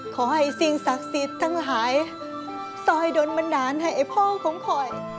ขอให้สิ่งศักดิ์สิทธิ์ทั้งหลายซอยโดนบันดาลให้ไอ้พ่อของคอย